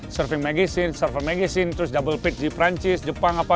surfing magazine surfer magazine terus double pitch di perancis jepang apa